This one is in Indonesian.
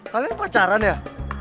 kalian pacaran ya